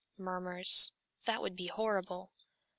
(murmurs) ... that would be horrible.'